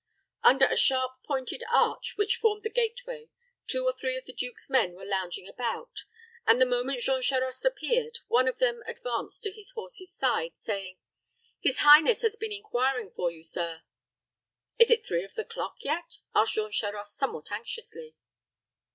Under a sharp pointed arch which formed the gateway, two or three of the duke's men were lounging about; and the moment Jean Charost appeared, one of them advanced to his horse's side, saying, "His highness has been inquiring for you, sir." "Is it three of the clock yet?" asked Jean Charost, somewhat anxiously.